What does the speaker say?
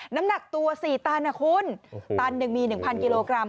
น้ำหนักตัว๔ตันนะคุณตันหนึ่งมี๑๐๐กิโลกรัม